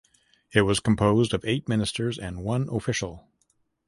It was composed of eight ministers and one official.